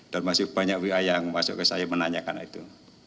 dan masih banyak wiaya yang masuk ke saya menanyakan itu